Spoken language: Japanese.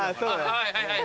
はいはいはい。